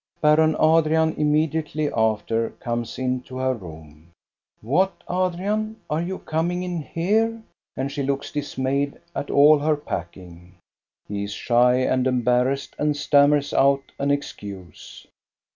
Baron Adrian immediately after comes into her room. "What, Adrian, are you coming in here?" and she looks dismayed at all her packing. He is shy and embarrassed and stammers out an excuse.